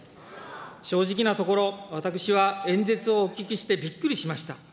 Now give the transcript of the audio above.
正直なところ、私は演説をお聞きしてびっくりしました。